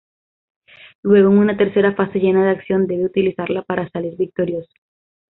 Luego en una tercera fase llena de acción debe utilizarla para salir victorioso.